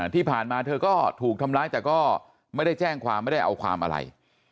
ที่ผ่านมาเธอก็ถูกทำร้ายแต่ก็ไม่ได้แจ้งความไม่ได้เอาความอะไร